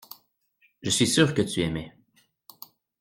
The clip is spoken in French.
Je suis sûr que tu aimais.